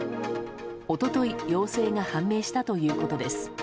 一昨日陽性が判明したということです。